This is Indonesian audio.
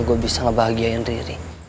gua bisa ngebahagiain riri